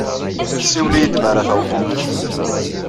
Siwel-iyi-d mi ara tawḍeḍ.